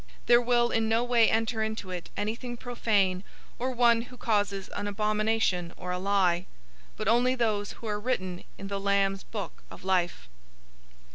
021:027 There will in no way enter into it anything profane, or one who causes an abomination or a lie, but only those who are written in the Lamb's book of life.